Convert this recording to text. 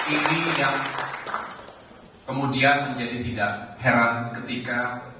ini yang kemudian menjadi tidak heran ketika